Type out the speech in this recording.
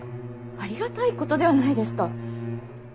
ありがたいことではないですか。